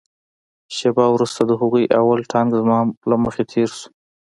شېبه وروسته د هغوى اول ټانک زما له مخې تېر سو.